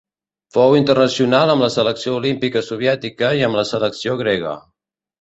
Fou internacional amb la selecció olímpica soviètica i amb la selecció grega.